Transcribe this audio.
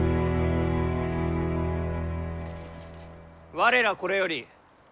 我らこれより本領